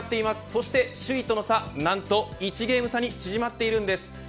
そして首位との差何と１ゲーム差に縮まっているんです。